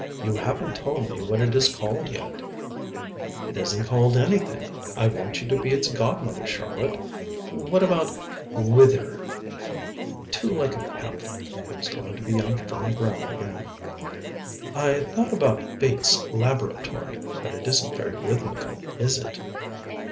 "You haven't told me what it is called yet." "It isn't called anything. I want you to be its god mother, Charlotte. What about 'Whither'?" "Too like a pamphlet," I was glad to be on firm ground again. "I thought about 'Fate's Laboratory,' but it isn't very rhythmical, is it?"